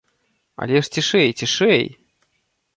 Але ж цішэй, цішэй!